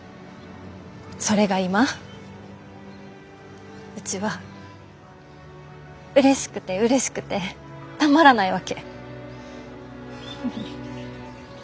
それが今うちはうれしくてうれしくてたまらないわけ。